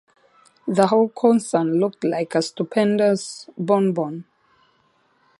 The whole concern looked like a stupendous bon-bon.